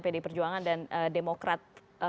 pd perjuangan dan demokrat